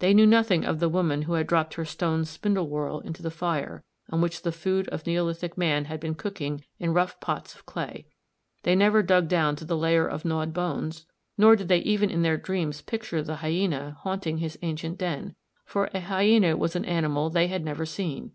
They knew nothing of the woman who had dropped her stone spindle whorl into the fire, on which the food of Neolithic man had been cooking in rough pots of clay; they never dug down to the layer of gnawed bones, nor did they even in their dreams picture the hyæna haunting his ancient den, for a hyæna was an animal they had never seen.